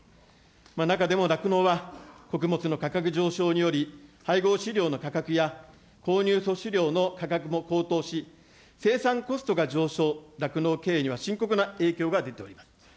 中でも酪農は、穀物の価格上昇により配合飼料の価格や購入粗飼料の価格も高騰し、生産コストが上昇、酪農経営には深刻な影響が出ております。